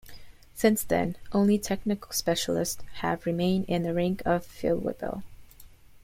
Since then, only technical specialists have remained in the rank of "Feldweibel".